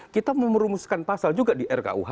kita merumuskan pasal juga di rkuh